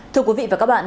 thưa quý vị và các bạn